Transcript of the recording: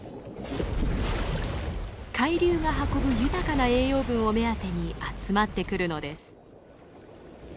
海流が運ぶ豊かな栄養分を目当てに集まってくるのです。